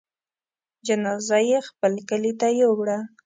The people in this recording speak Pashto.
جنازه يې خپل کلي ته يووړه.